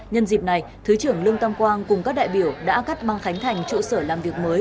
nhân dịp này thứ trưởng lương tam quang cùng các đại biểu đã cắt băng khánh thành trụ sở làm việc mới